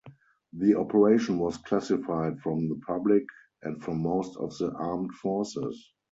The operation was classified from the public and from most of the armed forces.